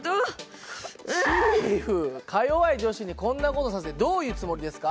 チーフかよわい女子にこんな事させてどういうつもりですか？